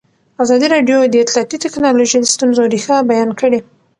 ازادي راډیو د اطلاعاتی تکنالوژي د ستونزو رېښه بیان کړې.